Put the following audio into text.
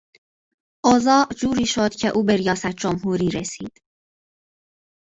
اوضاع جوری شد که او به ریاست جمهوری رسید.